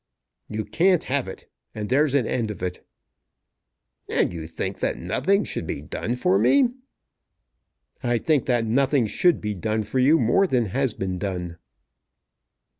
"You can't have it; and there's an end of it." "And you think that nothing should be done for me?" "I think that nothing should be done for you more than has been done."